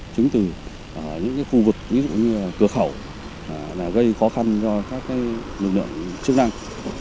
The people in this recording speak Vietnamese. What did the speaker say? chứng từ những khu vực ví dụ như cửa khẩu là gây khó khăn cho các lực lượng chức năng